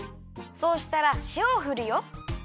そうしたらしおをふるよ。